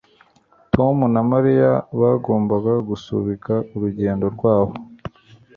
Tom na Mariya bagombaga gusubika urugendo rwabo